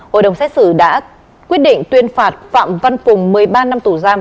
hội đồng xét xử đã quyết định tuyên phạt phạm văn cùng một mươi ba năm tù giam